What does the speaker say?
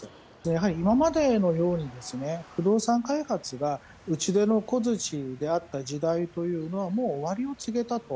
やはり今までのように、不動産開発が打ち出の小づちであった時代というのは、もう終わりを告げたと。